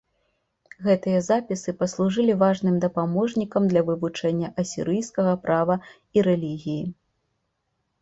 Гэтыя запісы паслужылі важным дапаможнікам для вывучэння асірыйскага права і рэлігіі.